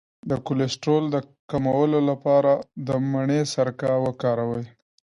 د کولیسټرول د کمولو لپاره د مڼې سرکه وکاروئ